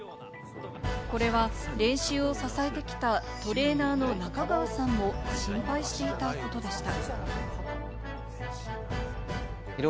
これは練習を支えてきたトレーナーの中川さんも心配していたことでした。